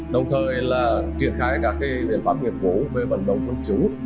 đồng thời là triển khai các cái biện pháp nghiệp vụ về vận động quân chủ